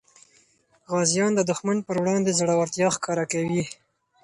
غازیان د دښمن په وړاندې زړورتیا ښکاره کوي.